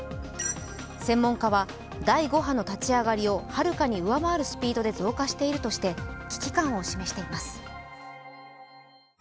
専門家は第５波の立ち上がりをはるかに上回るスピードで増加しているとして危機感を示しています。